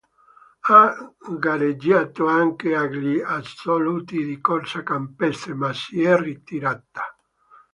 Ha gareggiato anche agli assoluti di corsa campestre, ma si è ritirata.